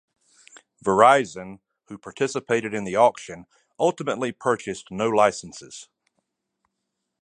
Verizon, who participated in the auction, ultimately purchased no licenses.